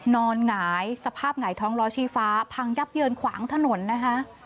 หงายสภาพหงายท้องล้อชี้ฟ้าพังยับเยินขวางถนนนะคะ